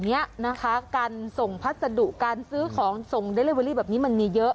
นี้นะคะการส่งพัสดุการซื้อของส่งเดลิเวอรี่แบบนี้มันมีเยอะ